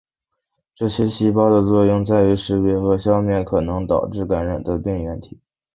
这些细胞的作用在于识别和消灭可能导致感染的病原体。